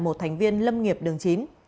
một thành viên lâm nghiệp đường chín